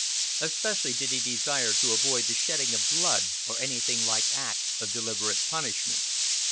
Especially did he desire to avoid the shedding of blood, or anything like acts of deliberate punishment.